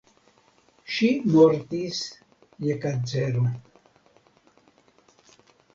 Ŝi mortis je kancero.